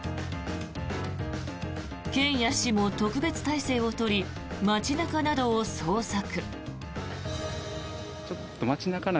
県や市も特別態勢を取り街中などを捜索。